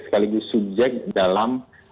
sekaligus subjek dalam